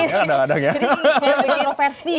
jadi kayak konversi gitu ya